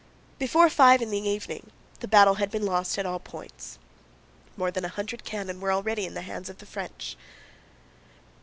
Before five in the evening the battle had been lost at all points. More than a hundred cannon were already in the hands of the French.